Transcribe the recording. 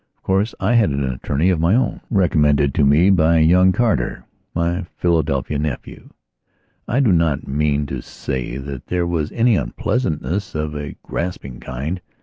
Of course I had an attorney of my ownrecommended to me by young Carter, my Philadelphia nephew. I do not mean to say that there was any unpleasantness of a grasping kind.